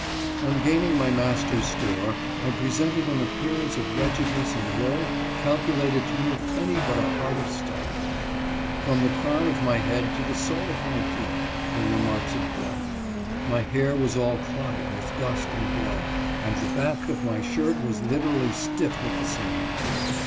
On gaining my master's store, I presented an appear ance of wretchedness and woe calculated to move any but a heart of stone. From the crown of my head to the sole of my feet, there were marks of blood. My hair was all clotted with dust and blood, and the back of my shirt was literally stiff with the same.